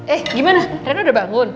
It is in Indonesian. eh gimana udah bangun